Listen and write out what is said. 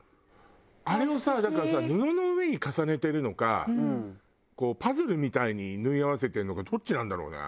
あれをさだからさ布の上に重ねてるのかパズルみたいに縫い合わせてるのかどっちなんだろうね？